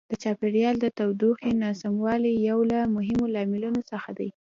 د چاپیریال د تودوخې ناسموالی یو له مهمو لاملونو څخه دی.